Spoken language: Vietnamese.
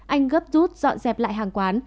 anh gấp rút dọn dẹp lại hàng quán